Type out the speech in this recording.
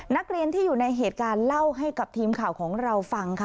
นักเรียนที่อยู่ในเหตุการณ์เล่าให้กับทีมข่าวของเราฟังค่ะ